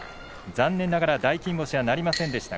残念ながら大金星はなりませんでした。